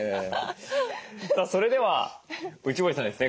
それでは内堀さんにですね